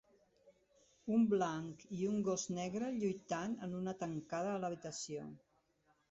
Un blanc i un gos negre lluitant en una tancada a l'habitació.